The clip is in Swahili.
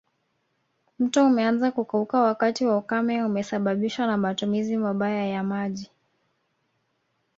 Mto umeanza kukauka wakati wa ukame umesababishwa na matumizi mabaya ya maji